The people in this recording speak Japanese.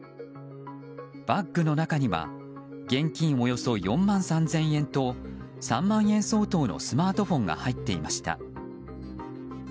バッグの中には現金およそ４万３０００円と３万円相当のスマートフォンが入っていました。